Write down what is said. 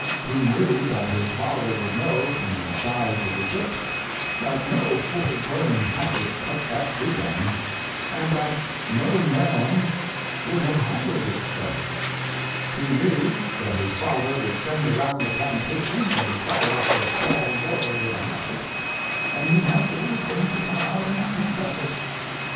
He knew that his father would know from the size of the chips that no full grown hatchet cut that tree down, and that no man would have haggled it so. He knew that his father would send around the plantation and inquire for a small boy with a hatchet, and he had the wisdom to come out and confess it.